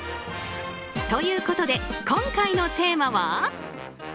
ということで、今回のテーマは？